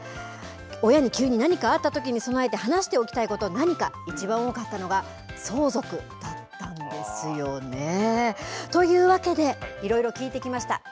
親に急に何かあったときに備えて、話しておきたいこと何か、一番多かったのが、相続だったんですよね。というわけで、いろいろ聞いてきました。